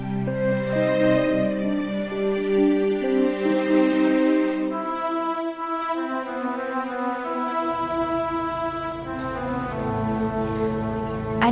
ada apa mak